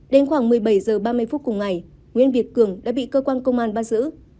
đến khoảng một mươi bảy h ba mươi phút cùng ngày nguyễn việt cường đã bị cơ quan công an bắt giữ